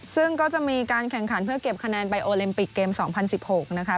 ซึ่งก็จะมีการแข่งขันเพื่อเก็บคะแนนไปโอลิมปิกเกม๒๐๑๖นะคะ